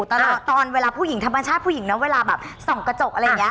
ตลอดตอนเวลาผู้หญิงธรรมชาติผู้หญิงนะเวลาแบบส่องกระจกอะไรอย่างนี้